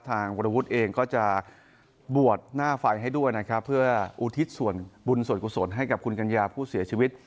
วรวุฒิเองก็จะบวชหน้าไฟให้ด้วยนะครับเพื่ออุทิศส่วนบุญส่วนกุศลให้กับคุณกัญญาผู้เสียชีวิต